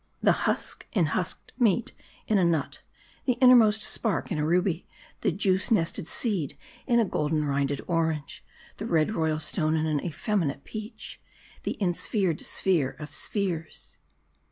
the husk inhusked meat in a nut ; the innermost spark in a ruby ; the juice nested seed in a golden rinded orange ; the red royal stone in an effeminate peach ; the insphered sphere of spheres.